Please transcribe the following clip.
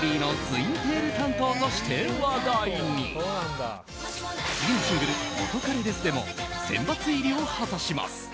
次のシングル「元カレです」でも選抜入りを果たします。